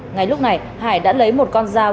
ngay lúc này hải đã lấy một con dao